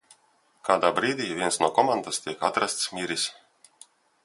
Kādā brīdī viens no komandas tiek atrasts miris.